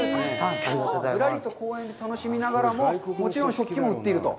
ぶらりと公園を楽しみながらも、もちろん食器も売っていると？